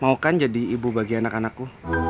mau kan jadi ibu bagi anak anakku